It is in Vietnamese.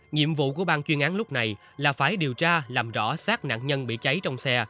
nhiệm vụ của bang chuyên án lúc này là phải điều tra làm rõ sát nạn nhân bị cháy trong xe